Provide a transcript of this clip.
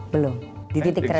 belum di titik terendah